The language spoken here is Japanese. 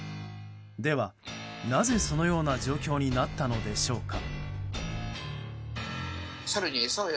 では、なぜそのような状況になったのでしょうか。